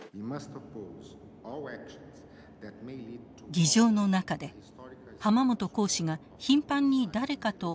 議場の中で濱本公使が頻繁に誰かと連絡を取り合っていました。